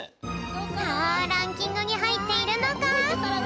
さあランキングにはいっているのか！